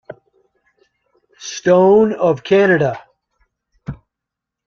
Stone of Canada.